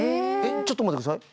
ちょっと待って下さい。